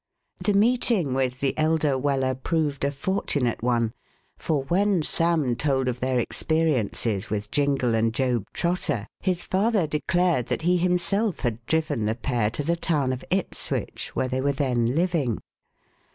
The meeting with the elder Weller proved a fortunate one, for when Sam told of their experiences with Jingle and Job Trotter, his father declared that he himself had driven the pair to the town of Ipswich, where they were then living.